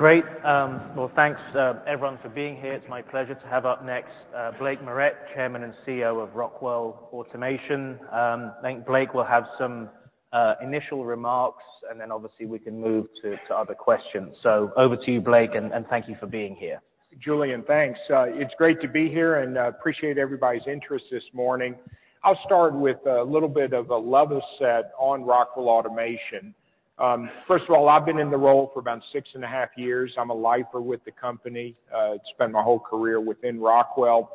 Great. Well, thanks, everyone for being here. It's my pleasure to have up next, Blake Moret, Chairman and CEO of Rockwell Automation. I think Blake will have some initial remarks, and then obviously we can move to other questions. Over to you, Blake, and thank you for being here. Julian, thanks. It's great to be here. Appreciate everybody's interest this morning. I'll start with a little bit of a level set on Rockwell Automation. First of all, I've been in the role for about six and a half years. I'm a lifer with the company. Spent my whole career within Rockwell.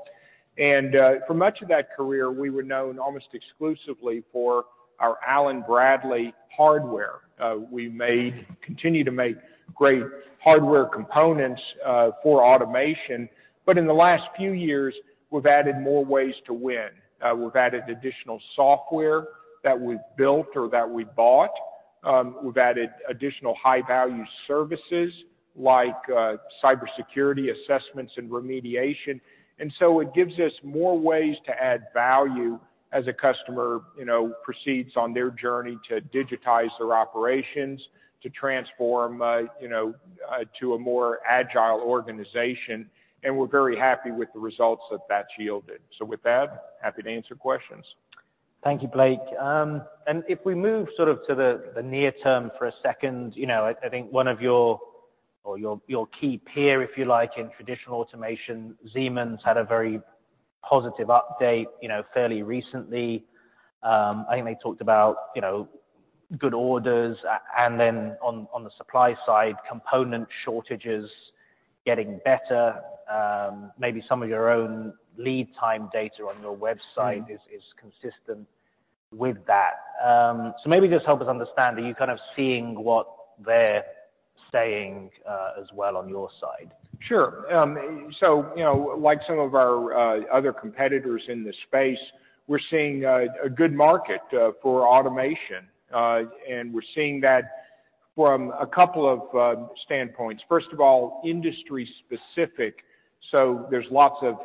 For much of that career, we were known almost exclusively for our Allen-Bradley hardware. We may continue to make great hardware components for automation. But in the last few years, we've added more ways to win. We've added additional software that we've built or that we've bought. We've added additional high-value services like cybersecurity assessments and remediation, and so It gives us more ways to add value as a customer, you know, proceeds on their journey to digitize their operations, to transform, you know, to a more agile organization. We're very happy with the results that that's yielded. With that, happy to answer questions. Thank you, Blake. If we move sort of to the near term for a second, you know, I think one of your or your key peer, if you like, in traditional automation, Siemens, had a very positive update, you know, fairly recently. I think they talked about, you know, good orders and then on the supply side, component shortages getting better. Maybe some of your own lead time data on your website- Mm-hmm. Is consistent with that. Maybe just help us understand, are you kind of seeing what they're saying, as well on your side? Sure. So You know, like some of our other competitors in this space, we're seeing a good market for automation, and we're seeing that from a couple of standpoints. First of all, industry specific. There's lots of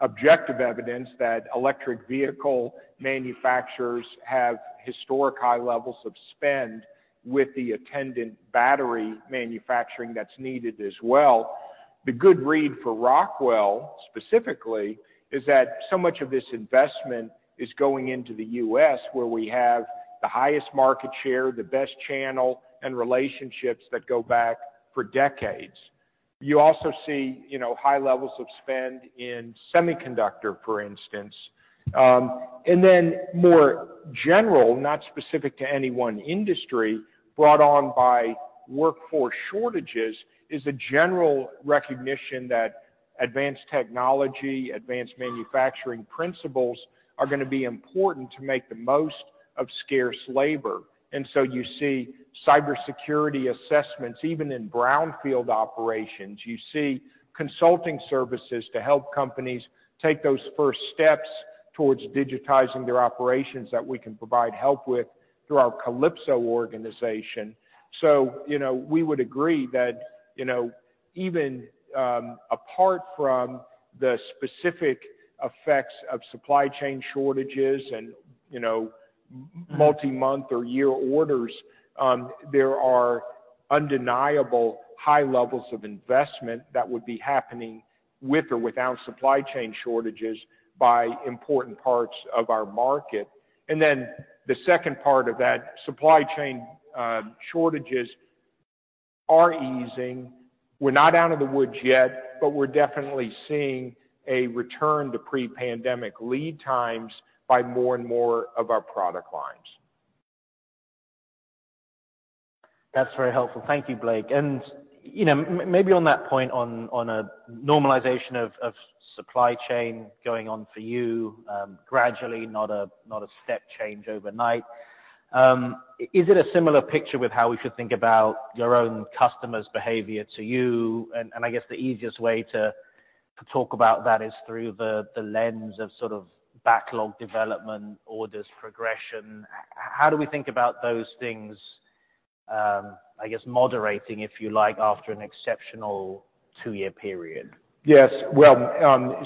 objective evidence that electric vehicle manufacturers have historic high levels of spend with the attendant battery manufacturing that's needed as well. The good read for Rockwell, specifically, is that so much of this investment is going into the U.S., where we have the highest market share, the best channel, and relationships that go back for decades. You also see, you know, high levels of spend in semiconductor, for instance. More general, not specific to any one industry, brought on by workforce shortages, is a general recognition that advanced technology, advanced manufacturing principles are gonna be important to make the most of scarce labor. You see cybersecurity assessments, even in brownfield operations. You see consulting services to help companies take those first steps towards digitizing their operations that we can provide help with through our Kalypso organization. You know, we would agree that, you know, even, apart from the specific effects of supply chain shortages and, you know, multi-month or year orders, there are undeniable high levels of investment that would be happening with or without supply chain shortages by important parts of our market. The second part of that supply chain shortages are easing. We're not out of the woods yet, but we're definitely seeing a return to pre-pandemic lead times by more and more of our product lines. That's very helpful. Thank you Blake. You know, maybe on that point on a normalization of supply chain going on for you, gradually, not a, not a step change overnight. Is it a similar picture with how we should think about your own customers' behavior to you? I guess the easiest way to talk about that is through the lens of sort of backlog development, orders progression. How do we think about those things, I guess moderating, if you like, after an exceptional two-year period? Yes. Well,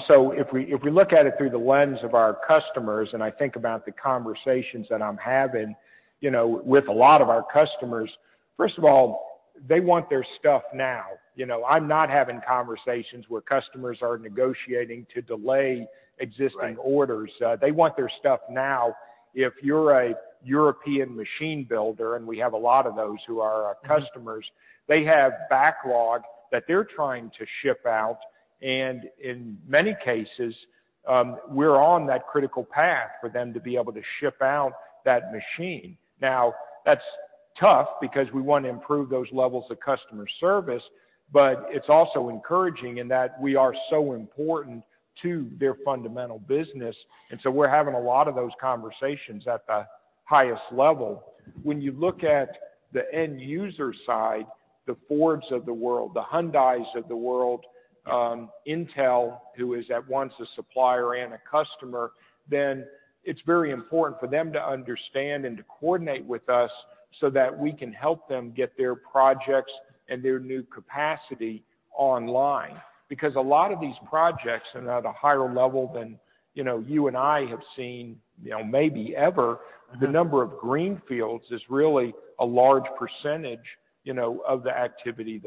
if we look at it through the lens of our customers, and I think about the conversations that I'm having, you know, with a lot of our customers, first of all, they want their stuff now. You know, I'm not having conversations where customers are negotiating to delay existing orders. Right. They want their stuff now. If you're a European machine builder, and we have a lot of those who are our customers, they have backlog that they're trying to ship out, and in many cases, we're on that critical path for them to be able to ship out that machine. That's tough because we want to improve those levels of customer service, but it's also encouraging in that we are so important to their fundamental business. We're having a lot of those conversations at the highest level. You look at the end user side, the Forbes of the world, the Hyundais of the world, Intel, who is at once a supplier and a customer, it's very important for them to understand and to coordinate with us so that we can help them get their projects and their new capacity online. A lot of these projects are at a higher level than, you know, you and I have seen, you know, and maybe ever. The number of greenfields is really a large percentage, you know, of the activity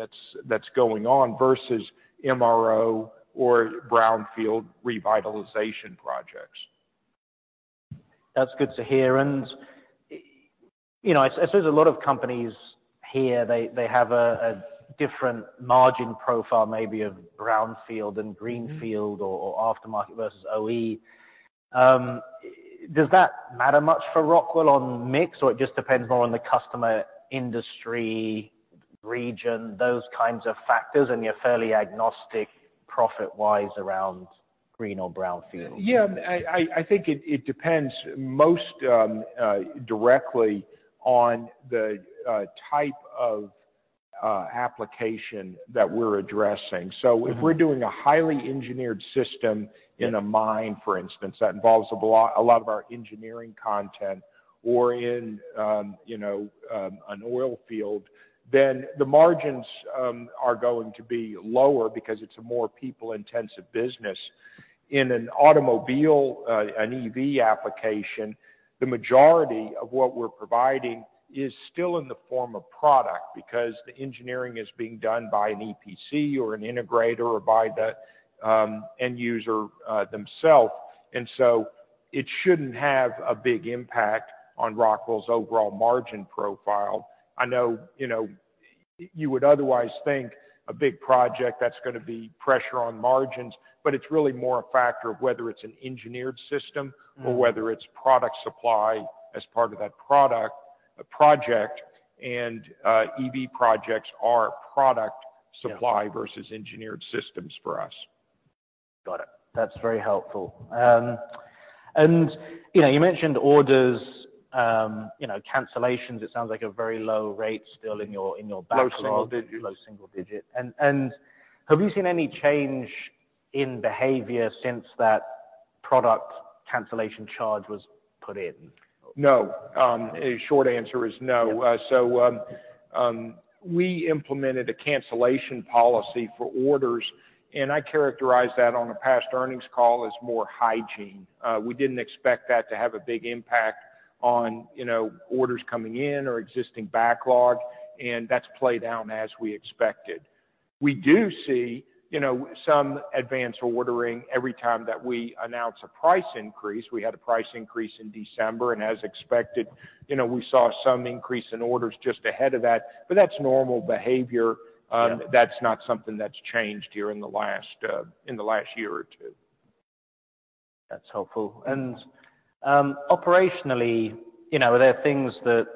that's going on versus MRO or brownfield revitalization projects. That's good to hear. You know, I say a lot of companies here, they have a different margin profile maybe of brownfield and greenfield or aftermarket versus OE. Does that matter much for Rockwell on mix, or it just depends more on the customer, industry, region, those kinds of factors, and you're fairly agnostic profit-wise around green or brownfield? Yeah I think it depends most directly on the type of application that we're addressing. Mm-hmm. if we're doing a highly engineered system- Yeah In a mine, for instance, that involves a lot of our engineering content or in, you know, an oil field, the margins are going to be lower because it's a more people-intensive business. In an automobile, an EV application, the majority of what we're providing is still in the form of product because the engineering is being done by an EPC or an integrator or by the end user themselves. It shouldn't have a big impact on Rockwell's overall margin profile. I know, you know, you would otherwise think a big project that's gonna be pressure on margins, but it's really more a factor of whether it's an engineered system. Mm-hmm Whether it's product supply as part of that project. EV projects are product supply. Yeah versus engineered systems for us. Got it. That's very helpful. you know, you mentioned orders, you know, cancellations, it sounds like a very low rate still in your, in your backlog. Low single digits. Low single digits. Have you seen any change in behavior since that product cancellation charge was put in? No, a short answer is no. Yeah. We implemented a cancellation policy for orders, and I characterized that on a past earnings call as more hygiene. We didn't expect that to have a big impact on, you know, orders coming in or existing backlog, and that's played out as we expected. We do see, you know, some advance ordering every time that we announce a price increase. We had a price increase in December, and as expected, you know, we saw some increase in orders just ahead of that, but that's normal behavior. Yeah. That's not something that's changed here in the last year or two. That's helpful. Operationally, you know, are there things that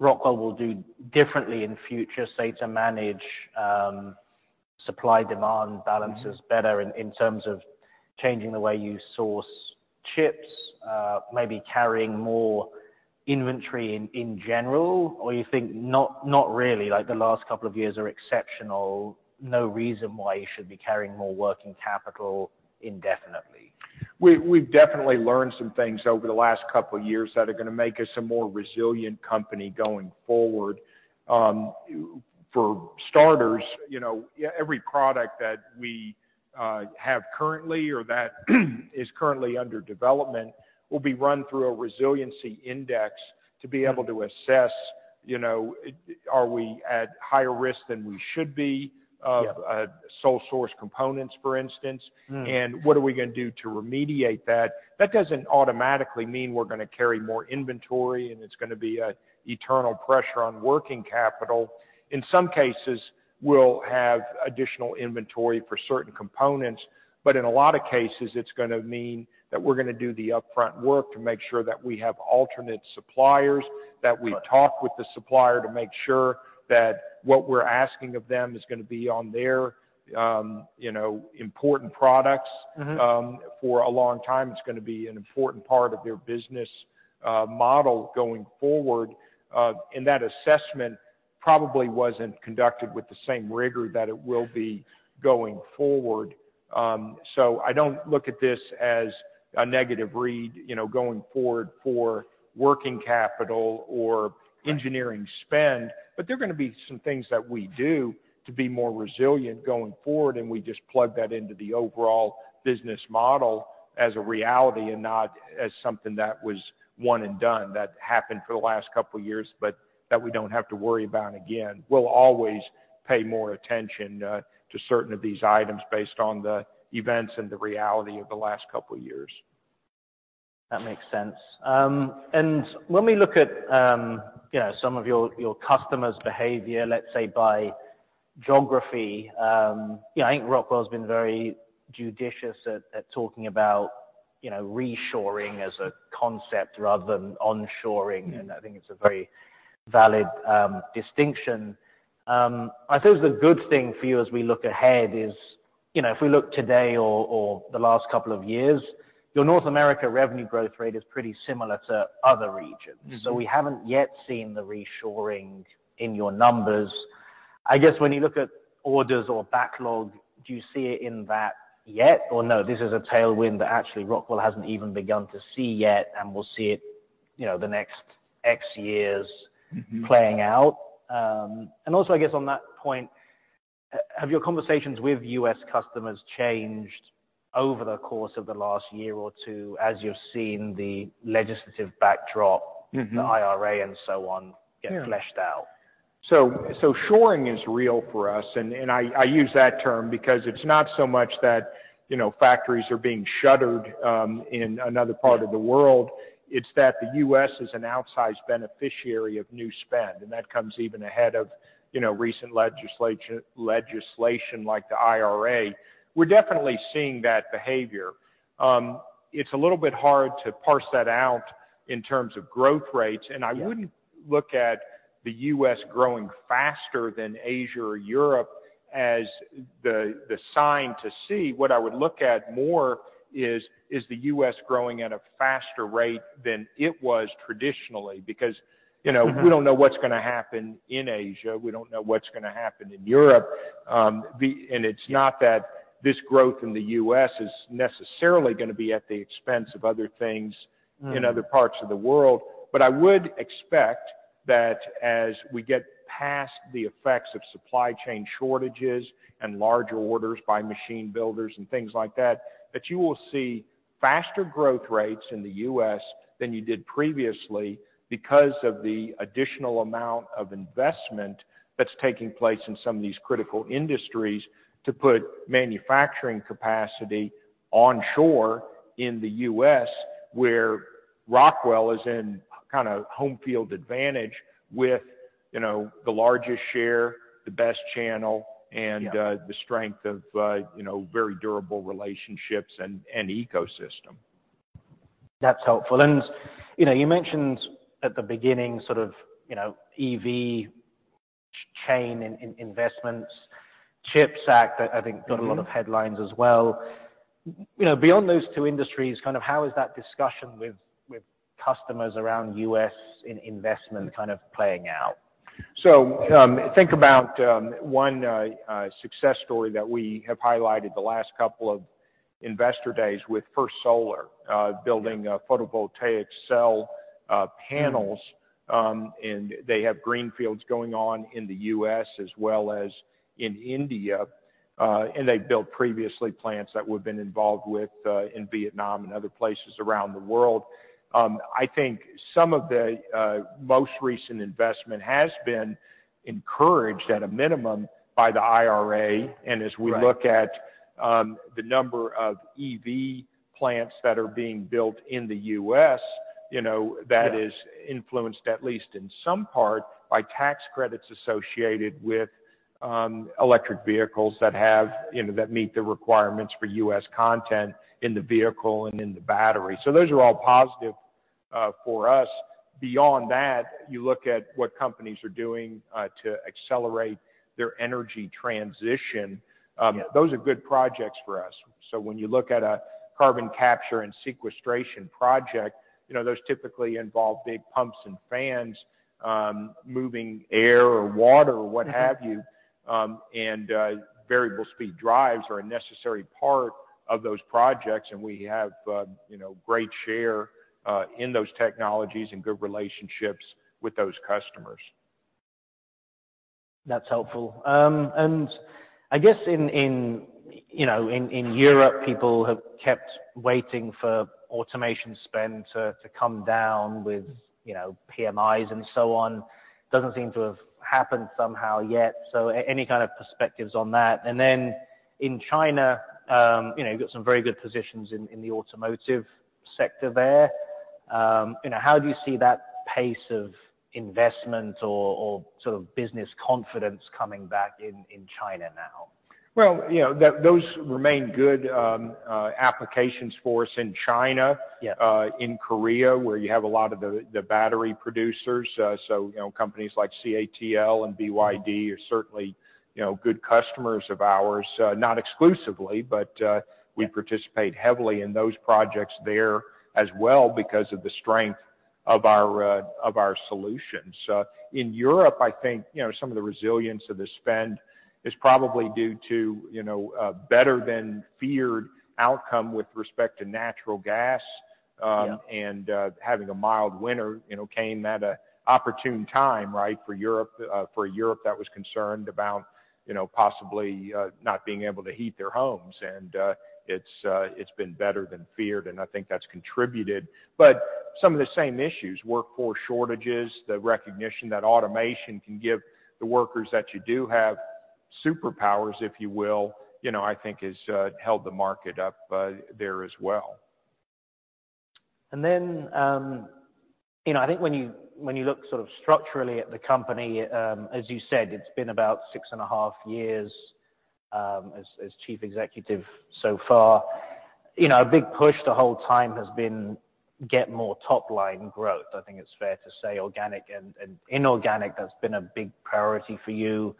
Rockwell will do differently in future, say, to manage supply-demand balances better in terms of changing the way you source chips, maybe carrying more inventory in general? Or you think not really, like the last couple of years are exceptional, no reason why you should be carrying more working capital indefinitely? We've definitely learned some things over the last couple years that are gonna make us a more resilient company going forward. For starters, you know, every product that we have currently or that is currently under development will be run through a resiliency index to be able to assess, you know, are we at higher risk than we should be. Yeah sole source components, for instance. Mm. What are we gonna do to remediate that? That doesn't automatically mean we're gonna carry more inventory, and it's gonna be a eternal pressure on working capital. In some cases, we'll have additional inventory for certain components, but in a lot of cases, it's gonna mean that we're gonna do the upfront work to make sure that we have alternate suppliers. Got it. That we talk with the supplier to make sure that what we're asking of them is gonna be on their, you know, important products. Mm-hmm. For a long time, it's gonna be an important part of their business, model going forward. That assessment probably wasn't conducted with the same rigor that it will be going forward. I don't look at this as a negative read, you know, going forward for working capital or engineering spend. There are gonna be some things that we do to be more resilient going forward, and we just plug that into the overall business model as a reality and not as something that was one and done, that happened for the last couple years, but that we don't have to worry about again. We'll always pay more attention to certain of these items based on the events and the reality of the last couple years. That makes sense, and let me look at, you know, some of your customers' behavior, let's say by geography, you know, I think Rockwell has been very judicious at talking about, you know, reshoring as a concept rather than onshoring and I think it's a very valid distinction. I suppose the good thing for you as we look ahead is, you know, if we look today or the last couple of years, your North America revenue growth rate is pretty similar to other regions. Mm-hmm. We haven't yet seen the reshoring in your numbers. I guess when you look at orders or backlog, do you see it in that yet? No, this is a tailwind that actually Rockwell hasn't even begun to see yet and will see it, you know, the next X years- Mm-hmm playing out? And also I guess on that point, Have your conversations with U.S. customers changed over the course of the last year or two as you've seen the legislative backdrop. Mm-hmm. The IRA and so on. Yeah. get fleshed out? So Shoring is real for us. I use that term because it's not so much that, you know, factories are being shuttered in another part of the world. It's that the U.S. is an outsized beneficiary of new spend, that comes even ahead of, you know, recent legislation like the IRA. We're definitely seeing that behavior. It's a little bit hard to parse that out in terms of growth rates. Yeah. I wouldn't look at the U.S. growing faster than Asia or Europe as the sign to see. What I would look at more is the U.S. growing at a faster rate than it was traditionally. Because, you know. Mm-hmm. We don't know what's gonna happen in Asia. We don't know what's gonna happen in Europe. It's not that this growth in the U.S. is necessarily gonna be at the expense of other things. Mm. I would expect that as we get past the effects of supply chain shortages and larger orders by machine builders and things like that you will see faster growth rates in the U.S. than you did previously because of the additional amount of investment that's taking place in some of these critical industries to put manufacturing capacity onshore in the U.S., where Rockwell is in kind of home field advantage with, you know, the largest share, the best channel, and. Yeah. the strength of, you know, very durable relationships and ecosystem. That's helpful. You know, you mentioned at the beginning sort of, you know, EV chain in investments, CHIPS Act. Mm-hmm. Got a lot of headlines as well. You know, beyond those two industries, kind of how is that discussion with customers around U.S. in investment kind of playing out? Think about one success story that we have highlighted the last couple of investor days with First Solar, building photovoltaic cell panels. They have greenfields going on in the U.S. as well as in India. They built previously plants that we've been involved with in Vietnam and other places around the world. I think some of the most recent investment has been encouraged at a minimum by the IRA, and Right. As we look at the number of EV plants that are being built in the U.S., you know, that is influenced at least in some part by tax credits associated with electric vehicles that have, you know, that meet the requirements for U.S. content in the vehicle and in the battery. Those are all positive for us. Beyond that, you look at what companies are doing to accelerate their energy transition. Yeah. Those are good projects for us. When you look at a carbon capture and sequestration project, you know, those typically involve big pumps and fans, moving air or water or what have you. Variable speed drives are a necessary part of those projects, and we have, you know, great share in those technologies and good relationships with those customers. That's helpful. I guess in, you know, in Europe, people have kept waiting for automation spend to come down with, you know, PMI and so on. Doesn't seem to have happened somehow yet. Any kind of perspectives on that. Then in China, you know, you've got some very good positions in the automotive sector there. You know, how do you see that pace of investment or sort of business confidence coming back in China now? Well, you know, those remain good, applications for us in China. Yeah. In Korea, where you have a lot of the battery producers. You know, companies like CATL and BYD are certainly, you know, good customers of ours, not exclusively, but. Yeah. We participate heavily in those projects there as well because of the strength of our, of our solutions. In Europe, I think, you know, some of the resilience of the spend is probably due to, you know, a better than feared outcome with respect to natural gas. Yeah. Having a mild winter came at a opportune time, right, for Europe, for Europe that was concerned about possibly not being able to heat their homes. It's been better than feared, and I think that's contributed. Some of the same issues, workforce shortages, the recognition that automation can give the workers that you do have superpowers, if you will. I think has held the market up there as well. You know, I think when you, when you look sort of structurally at the company, as you said, it's been about six and a half years as chief executive so far. You know, a big push the whole time has been get more top-line growth. I think it's fair to say organic and inorganic, that's been a big priority for you.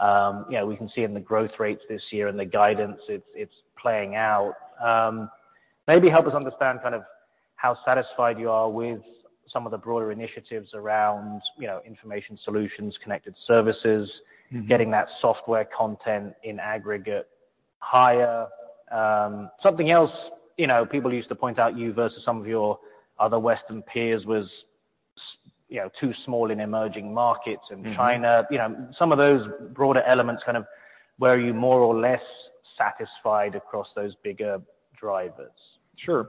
You know, we can see in the growth rates this year and the guidance, it's playing out. Maybe help us understand kind of how satisfied you are with some of the broader initiatives around, you know, Information Solutions, Connected Services- Mm-hmm. -getting that software content in aggregate higher. Something else, you know, people used to point out you versus some of your other Western peers was. You know, too small in emerging markets in China. Mm-hmm. You know, some of those broader elements kind of were you more or less satisfied across those bigger drivers? Sure.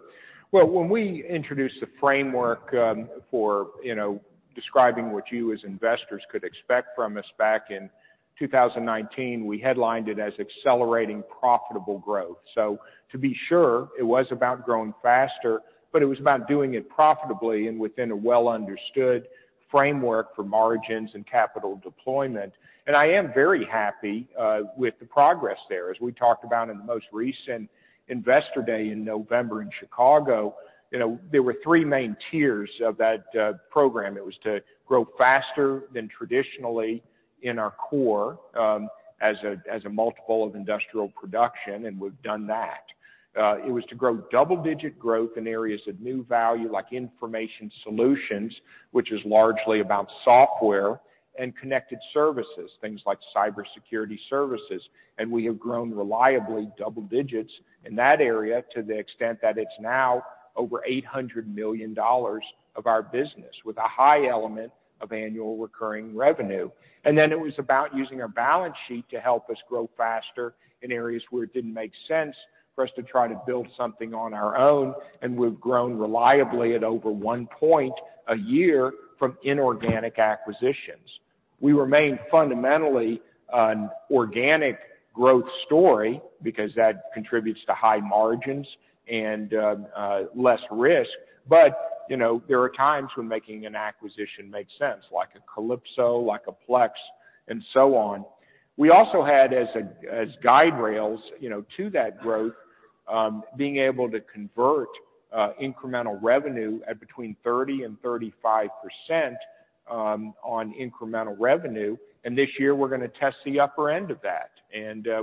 Well, when we introduced the framework, for, you know, describing what you as investors could expect from us back in 2019, we headlined it as accelerating profitable growth. To be sure, it was about growing faster, but it was about doing it profitably and within a well-understood framework for margins and capital deployment. I am very happy with the progress there. As we talked about in the most recent investor day in November in Chicago, you know, there were three main tiers of that program. It was to grow faster than traditionally in our core, as a, as a multiple of industrial production, and we've done that. It was to grow double-digit growth in areas of new value like Information Solutions, which is largely about software and Connected Services, things like cybersecurity services. We have grown reliably double-digits in that area to the extent that it's now over $800 million of our business with a high element of annual recurring revenue. It was about using our balance sheet to help us grow faster in areas where it didn't make sense for us to try to build something on our own, and we've grown reliably at over one point a year from inorganic acquisitions. We remain fundamentally an organic growth story because that contributes to high margins and less risk. You know, there are times when making an acquisition makes sense, like a Kalypso, like a Plex and so on. We also had as guide rails, you know, to that growth, being able to convert incremental revenue at between 30% and 35% on incremental revenue. This year, we're gonna test the upper end of that.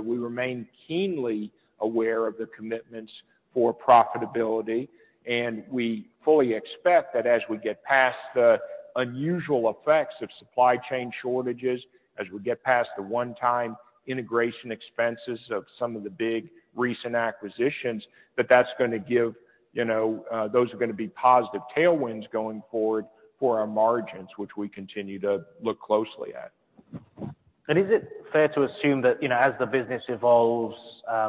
We remain keenly aware of the commitments for profitability, and we fully expect that as we get past the unusual effects of supply chain shortages, as we get past the one-time integration expenses of some of the big recent acquisitions, that that's gonna give, you know, those are gonna be positive tailwinds going forward for our margins, which we continue to look closely at. Is it fair to assume that, you know, as the business evolves,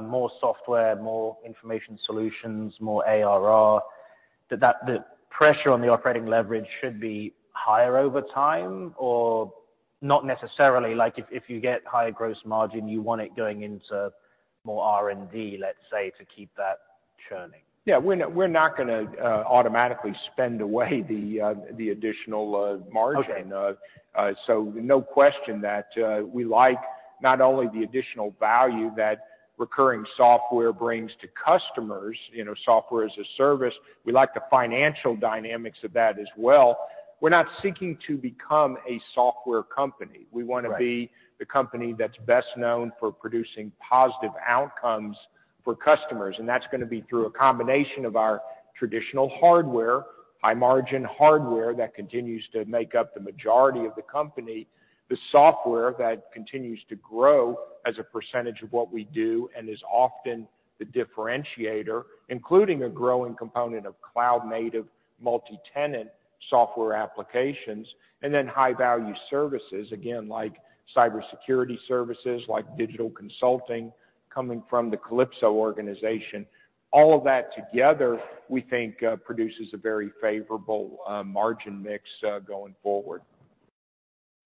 more software, more Information Solutions, more ARR, that the pressure on the operating leverage should be higher over time or not necessarily? Like if you get higher gross margin, you want it going into more R&D, let's say, to keep that churning. Yeah. We're not gonna automatically spend away the additional margin. Okay. No question that we like not only the additional value that recurring software brings to customers, you know, software as a service. We like the financial dynamics of that as well. We're not seeking to become a software company. Right. We wanna be the company that's best known for producing positive outcomes for customers. That's gonna be through a combination of our traditional hardware, high margin hardware that continues to make up the majority of the company, the software that continues to grow as a percentage of what we do and is often the differentiator, including a growing component of cloud-native multi-tenant software applications. Then high value services, again, like cybersecurity services, like digital consulting coming from the Kalypso organization. All of that together, we think, produces a very favorable, margin mix, going forward.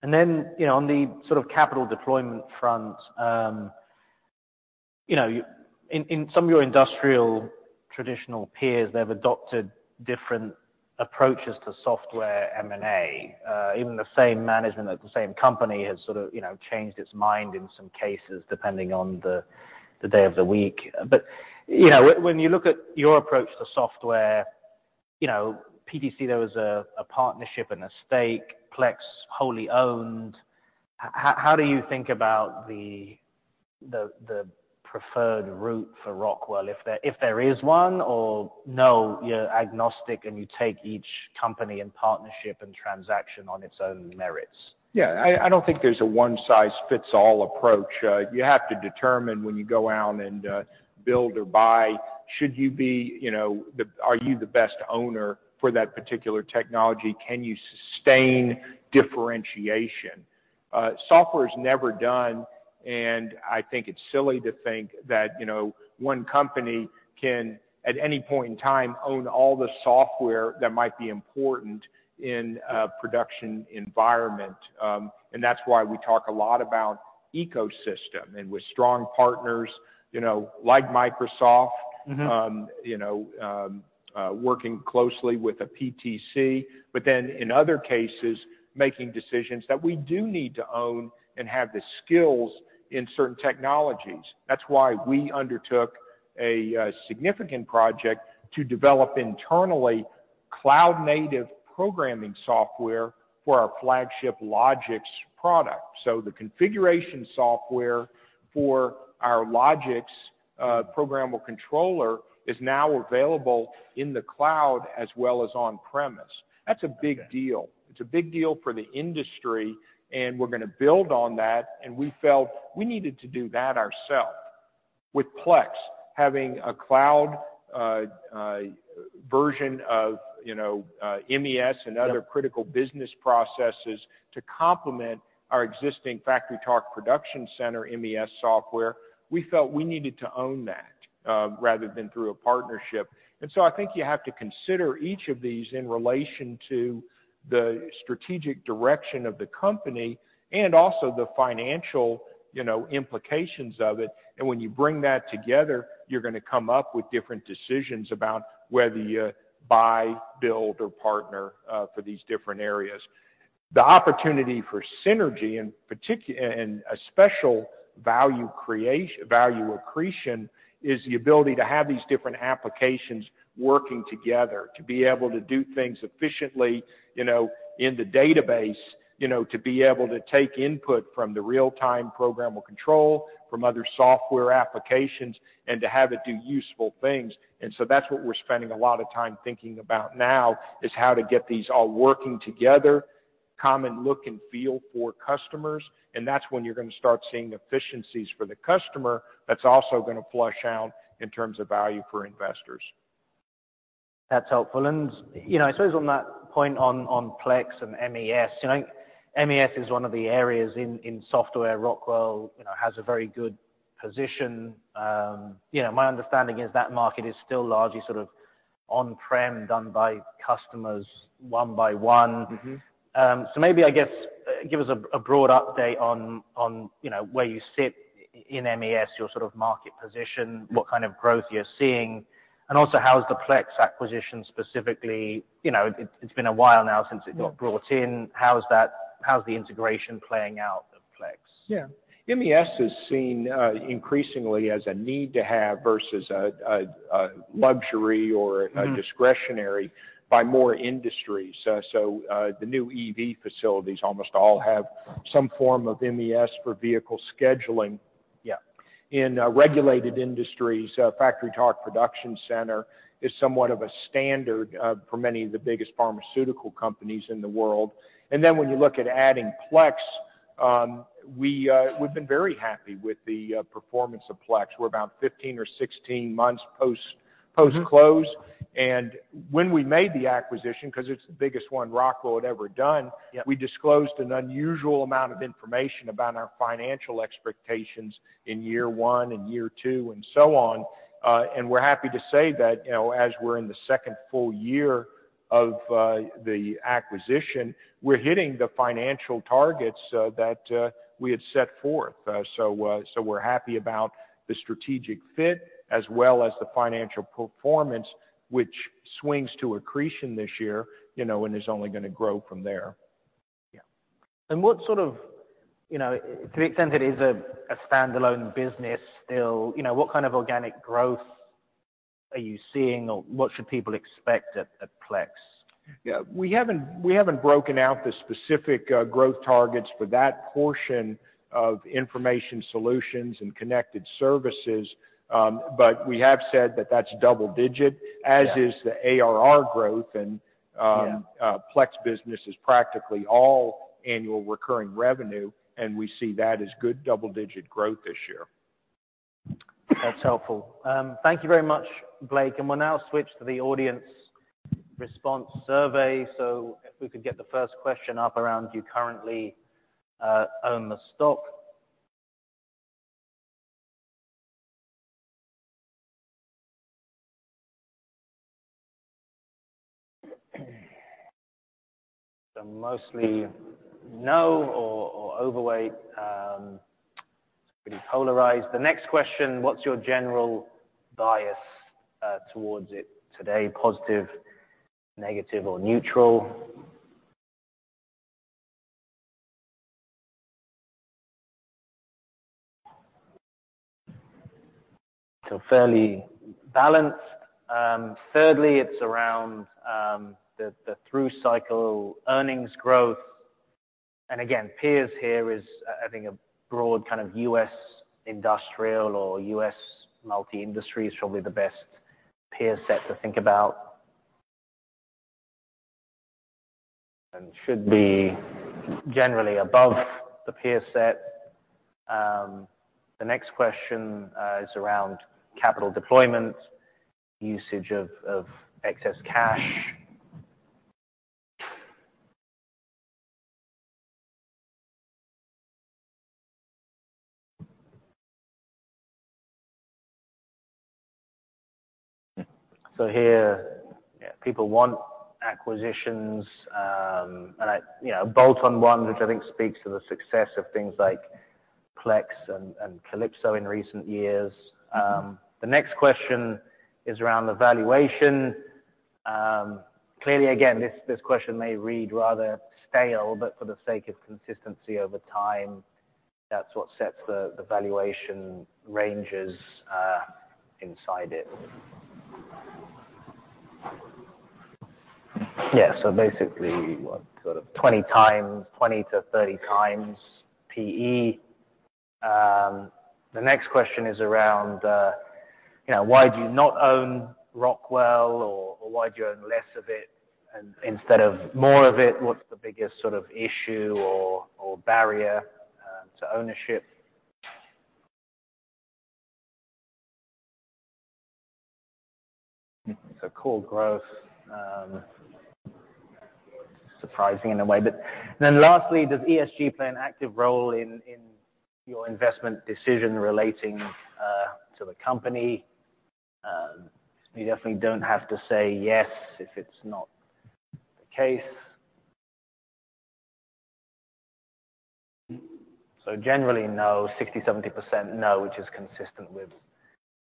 You know, on the sort of capital deployment front, you know, in some of your industrial traditional peers, they've adopted different approaches to software M&A. Even the same management at the same company has sort of, you know, changed its mind in some cases, depending on the day of the week. You know, when you look at your approach to software, you know, PTC, there was a partnership and a stake, Plex, wholly owned. How do you think about the preferred route for Rockwell, if there is one or no, you're agnostic, and you take each company in partnership and transaction on its own merits? Yeah. I don't think there's a one-size-fits-all approach. You have to determine when you go out and build or buy, should you be, you know, are you the best owner for that particular technology? Can you sustain differentiation? Software is never done, and I think it's silly to think that, you know, one company can, at any point in time, own all the software that might be important in a production environment. That's why we talk a lot about ecosystem and with strong partners, you know, like Microsoft. Mm-hmm. Working closely with a PTC, in other cases, making decisions that we do need to own and have the skills in certain technologies. That's why we undertook a significant project to develop internally cloud-native programming software for our flagship Logix product. The configuration software for our Logix programmable controller is now available in the cloud as well as on-premise. That's a big deal. It's a big deal for the industry, we're gonna build on that, and we felt we needed to do that ourselves. With Plex having a cloud version of MES and other critical business processes to complement our existing FactoryTalk ProductionCentre MES software, we felt we needed to own that rather than through a partnership. I think you have to consider each of these in relation to the strategic direction of the company and also the financial, you know, implications of it. When you bring that together, you're gonna come up with different decisions about whether you buy, build, or partner for these different areas. The opportunity for synergy in a special value accretion is the ability to have these different applications working together to be able to do things efficiently, you know, in the database, you know, to be able to take input from the real-time programmable control from other software applications and to have it do useful things. That's what we're spending a lot of time thinking about now, is how to get these all working together, common look and feel for customers, and that's when you're gonna start seeing efficiencies for the customer that's also gonna flush out in terms of value for investors. That's helpful. You know, I suppose on that point on Plex and MES, you know, MES is one of the areas in software Rockwell, you know, has a very good position. You know, my understanding is that market is still largely sort of on-prem, done by customers one by one. Mm-hmm. Maybe, I guess, give us a broad update on, you know, where you sit in MES, your sort of market position, what kind of growth you're seeing, and also how is the Plex acquisition specifically? You know, it's been a while now since it got brought in. How is the integration playing out with Plex? Yeah. MES is seen, increasingly as a need to have versus a luxury. Mm-hmm. a discretionary by more industries. The new EV facilities almost all have some form of MES for vehicle scheduling. Yeah. In regulated industries, FactoryTalk ProductionCentre, is somewhat of a standard for many of the biggest pharmaceutical companies in the world. And then when you look at adding Plex, we've been very happy with the performance of Plex. We're about 15 or 16 months post close. Mm-hmm. When we made the acquisition, 'cause it's the biggest one Rockwell had ever done. Yeah. We disclosed an unusual amount of information about our financial expectations in year one and year two and so on, and we're happy to say that, you know, as we're in the second full year of the acquisition, we're hitting the financial targets that we had set forth. We're happy about the strategic fit as well as the financial performance, which swings to accretion this year, you know, and is only gonna grow from there. Yeah. What sort of... You know, to the extent that is a standalone business still, you know, what kind of organic growth are you seeing or what should people expect at Plex? Yeah. We haven't broken out the specific growth targets for that portion of Information Solutions and Connected Services, but we have said that that's double digit. Yeah. as is the ARR growth and. Yeah. Plex business is practically all annual recurring revenue. We see that as good double-digit growth this year. That's helpful. Thank you very much, Blake. We'll now switch to the audience response survey. If we could get the first question up around do you currently own the stock? Mostly no or overweight. It's pretty polarized. The next question, what's your general bias towards it today? Positive, negative, or neutral? Fairly balanced. Thirdly, it's around the through cycle earnings growth. Again, peers here is I think a broad kind of U.S. industrial or U.S. multi-industry is probably the best peer set to think about. Should be generally above the peer set. The next question is around capital deployment, usage of excess cash. Here people want acquisitions, and I... You know, bolt on one, which I think speaks to the success of things like Plex and Kalypso in recent years. The next question is around the valuation. Clearly, again, this question may read rather stale, but for the sake of consistency over time, that's what sets the valuation ranges inside it. Yeah. Basically, what, sort of 20 times, 20-30 times PE. The next question is around, you know, why do you not own Rockwell Automation or why do you own less of it instead of more of it? What's the biggest sort of issue or barrier to ownership? Core growth, surprising in a way. Lastly, does ESG play an active role in your investment decision relating to the company? You definitely don't have to say yes if it's not the case. Generally, no. 60%, 70% no, which is consistent with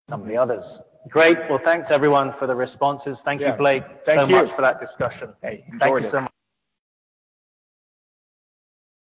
some of the others. Great. Thanks everyone for the responses. Yeah. Thank you, Blake. Thank you. Much for that discussion. Hey enjoyed it. Thank you so much.